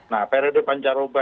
nah periode panjang